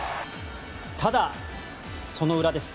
ただ、その裏です。